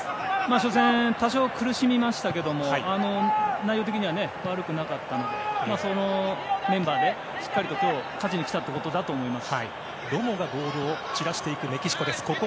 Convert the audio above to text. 初戦多少苦しみましたけど内容的には悪くなかったのでそのメンバーで、しっかり今日勝ちにきたということだと思います。